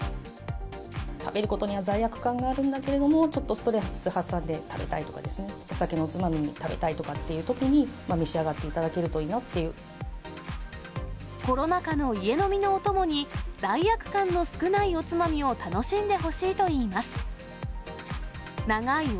食べることには罪悪感があるけれども、ちょっとストレス発散で食べたいとかですね、お酒のおつまみに食べたいとかっていうときにですね、召し上がっコロナ禍の家飲みのおともに、罪悪感の少ないおつまみを楽しんでほしいといいます。